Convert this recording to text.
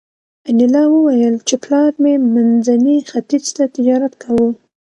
انیلا وویل چې پلار مې منځني ختیځ ته تجارت کاوه